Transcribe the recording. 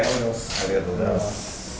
ありがとうございます。